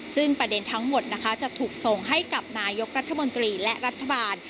ซึ่งประเด็นทั้งหมดนะคะจะถูกส่งให้กับนายกรัฐมนตรีและรัฐบาล